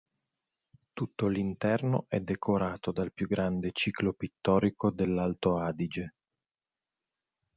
Tutto l'interno è decorato dal più grande ciclo pittorico dell'Alto Adige.